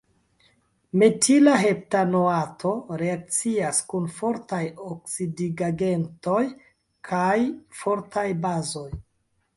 Metila heptanoato reakcias kun fortaj oksidigagentoj kaj fortaj bazoj.